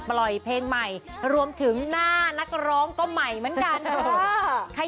ปล่อยเพลงใหม่รวมถึงหน้านักร้องก็ใหม่เหมือนกัน